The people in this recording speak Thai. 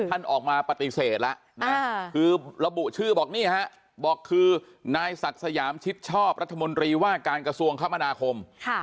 ท่านออกมาปฏิเสธแล้วเพราะระบุชื่อบอกว่านายศักดิ์สยามชิดชอบรัฐมนตรีว่าการกระทรวงคมฯาแน่คม